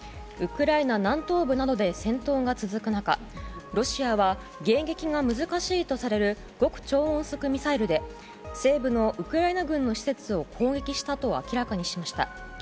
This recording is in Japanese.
ウクライナ南東部などで戦闘が続く中ロシアは迎撃が難しいとされる極超音速ミサイルで西部のウクライナ軍の施設を攻撃したと明らかにしました。